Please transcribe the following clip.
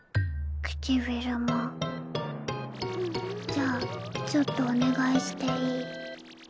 じゃあちょっとお願いしていい？